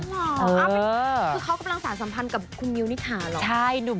หรอคือเขากำลังสารสัมพันธ์กับคุณมิวนิถาเหรอ